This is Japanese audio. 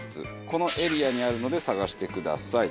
このエリアにあるので探してください。